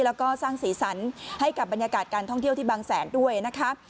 แล้วก็สร้างสีสันให้กับบรรยากาศการท่องเที่ยวที่บางแสนด้วยนะคะ